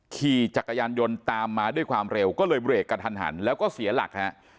ขี่จักรยานยนต์ตามมาด้วยความเร็วก็เลยเบรกกระทันหันแล้วก็เสียหลักฮะ